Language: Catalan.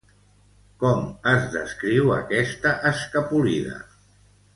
Com es descriu aquesta escapolida?